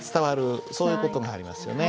そういう事がありますよね。